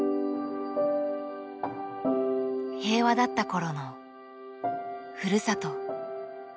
平和だった頃のふるさと。